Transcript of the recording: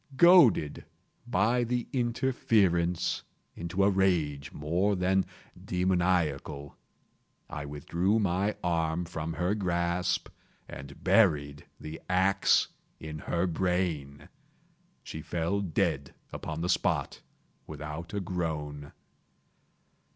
Goaded, by the interference, into a rage more than demoniacal, I withdrew my arm from her grasp and buried the axe in her brain. She fell dead upon the spot, without a groan.